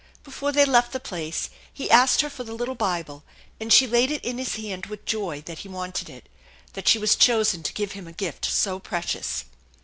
Before they left the place he asked her for the little Bible, and she laid it in his hand with joy that he wanted it, that she was chosen to give him a gift so precious.